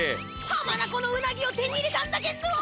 浜名湖のウナギを手に入れたんだけんど。